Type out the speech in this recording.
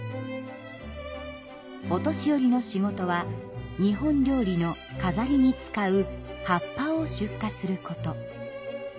お年寄りの仕事は日本料理の飾りに使う葉っぱを出荷すること。